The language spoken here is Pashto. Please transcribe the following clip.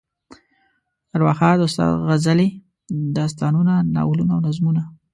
ارواښاد استاد غزلې، داستانونه، ناولونه او نظمونه.